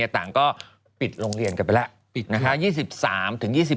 ต่างก็ปิดโรงเรียนกันไปแล้ว